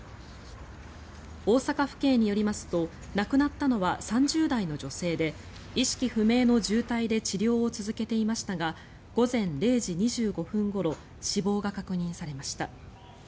大阪府警によりますと亡くなったのは３０代の女性で意識不明の重体で治療を続けていましたが午前０時２５分ごろ死亡が確認されました。